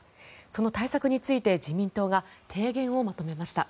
その対策について自民党が提言をまとめました。